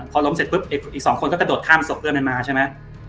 พอล้มเสร็จอีกอีกสองคนก็กระโดดข้ามศกเพื่อนมันมา